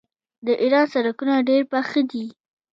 د ایران سړکونه ډیر پاخه دي.